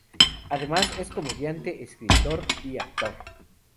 Además, es comediante, escritor y actor.